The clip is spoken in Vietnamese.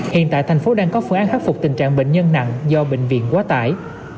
hiện tại thành phố đang có phương án khắc phục tình trạng bệnh nhân nặng do bệnh viện quá tải